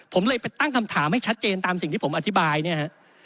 ผมเลยไปตั้งคำถามให้ชัดเจนตามสิ่งที่ผมอธิบายเนี่ยฮะ